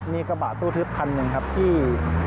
มีกระบะตู้ทึบคันหนึ่งครับที่